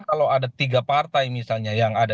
kalau ada tiga partai misalnya yang ada